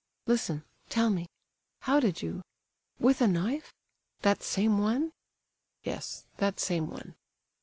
"Listen—tell me—how did you—with a knife?—That same one?" "Yes, that same one."